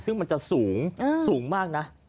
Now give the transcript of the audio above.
ซึ่งมันจะสูงสูงมากนะ